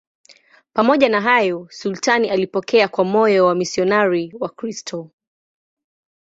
Pamoja na hayo, sultani alipokea kwa moyo wamisionari Wakristo.